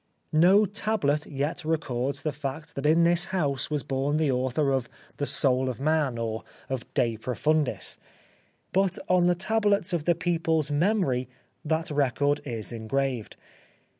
No tablet yet records the fact that in this house was born the author of '' The Soul of Man," or of " De Profundis" ; 87 The Life of Oscar Wilde but on the tablets of the people's memory that record is engraved.